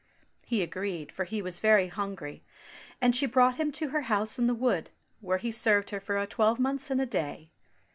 He agreed, for he was very hungry, and she brought him to her house in the wood, where he served her for a twelvemonths and a day.